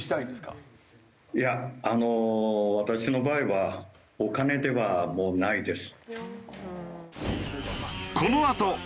いや私の場合はお金ではもうないです。